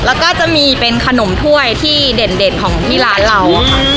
แล้วก็จะมีเป็นขนมถ้วยที่เด่นของที่ร้านเราค่ะ